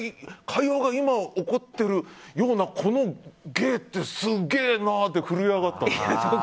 会話が今起こってるようなこの芸ってすげえなって震え上がったんで。